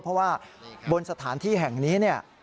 เพราะว่าบนสถานที่แห่งนี้